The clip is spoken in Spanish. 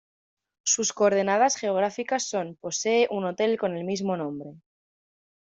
Sus coordenadas geográficas son Posee un hotel con el mismo nombre.